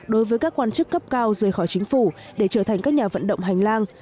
đối với các quan chức cấp cao rời khỏi chính phủ để trở thành các nhà vận động hành lang